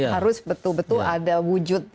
harus betul betul ada wujud